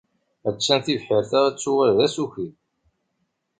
Attan tebḥirt-a ad tuɣal d asuki.